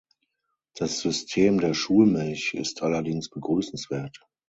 Das System der Schulmilch ist allerdings begrüßenswert.